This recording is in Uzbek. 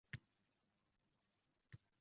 — Stress? Nima o’zi u?